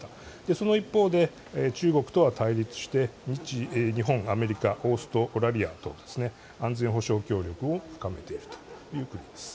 その一方で中国とは対立して日本、アメリカ、オーストラリアと安全保障協力を深めているということです。